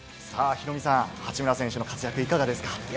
ヒロミさん、八村選手の活躍いかがですか？